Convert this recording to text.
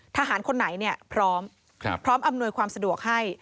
ทหารคนไหนพร้อมพร้อมอำนวยความสะดวกให้